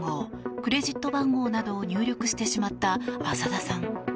クレジット番号などを入力してしまった麻田さん。